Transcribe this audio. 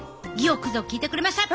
よくぞ聞いてくれました！